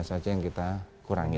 saja yang kita kurangi